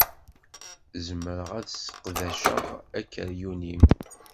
Zemreɣ ad ssqedceɣ akeryun-im?